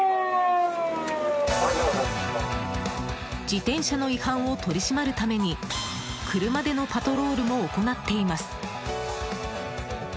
自転車の違反を取り締まるために車でのパトロールも行っています。